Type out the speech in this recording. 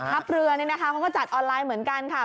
เรือนี่นะคะเขาก็จัดออนไลน์เหมือนกันค่ะ